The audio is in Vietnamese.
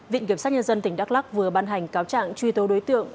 vịnh kiểm soát nhân dân tỉnh đắk lắc vừa ban hành cáo trạng truy tố đối tượng